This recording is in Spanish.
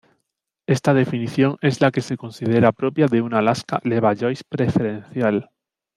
Esta definición es la que se considera propia de una lasca Levallois preferencial.